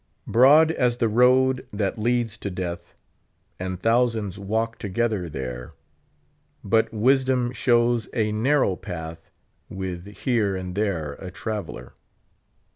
Broad as the road that leads to deati'. And thousands walk togetlier there ; But wisdom shows a narrow path. With here and there a traveler.